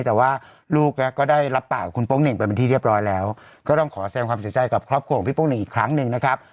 แต่ว่าลูกก็ได้รับปากกับคุณโป๊งเหน่งไปเป็นที่เรียบร้อยแล้วก็ต้องขอแสดงความเสียใจกับครอบครัวของพี่โป๊เน่งอีกครั้งหนึ่งนะครับ